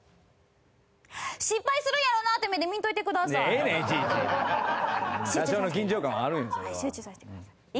失敗するやろうなって目で見んといてください！